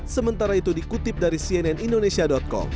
sementara itu dikutip dari cnn indonesia com